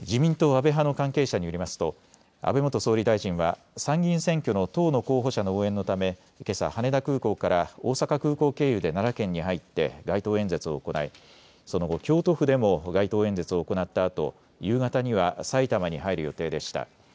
自民党安倍派の関係者によりますと安倍元総理大臣は参議院選挙の党の候補者の応援のため、けさ羽田空港から大阪空港経由で奈良県に入って街頭演説を行いその後、京都府でも街頭演説を行ったあと夕方には埼玉に入る予定でした。